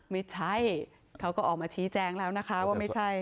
ไม่ใช่เขาก็ออกมาชี้แจงแล้วนะคะว่าไม่ใช่